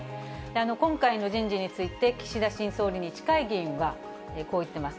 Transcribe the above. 今回の人事について、岸田新総理に近い議員は、こう言ってます。